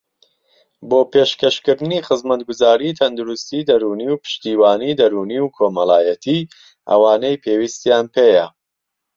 بۆ پێشكەشكردنی خزمەتگوزاری تەندروستی دەروونی و پشتیوانی دەروونی و كۆمەڵایەتی ئەوانەی پێویستیان پێیە